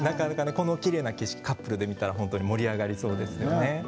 このきれいな景色カップルで見たら盛り上がりそうですよね。